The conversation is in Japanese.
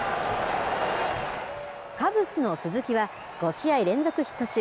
カブスの鈴木は、５試合連続ヒット中。